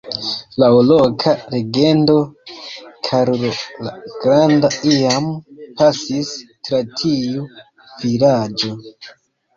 Laŭ loka legendo, Karlo la Granda iam pasis tra tiu vilaĝo.